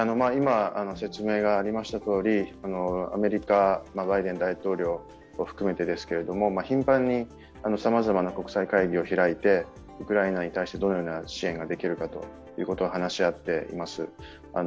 アメリカ、バイデン大統領を含めて頻繁にさまざまな国際会議を開いて、ウクライナに対してどのような支援ができるかということを話し合っています。